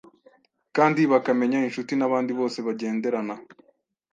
kandi bakamenya inshuti n’abandi bose bagenderana